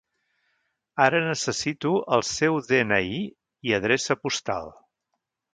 Ara necessito el seu de-ena-i i adreça postal.